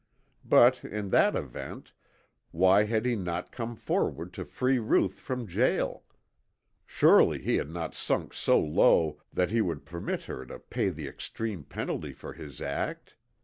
But in that event why had he not come forward to free Ruth from jail? Surely he had not sunk so low that he would permit her to pay the extreme penalty for his act.